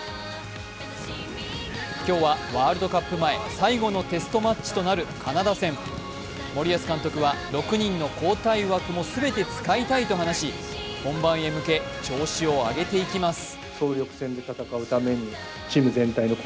今日はワールドカップ前、最後のテストマッチとなるカナダ戦、森保監督は６人の交代枠も全て使いたいと話し本番へ向け、調子を上げていきます。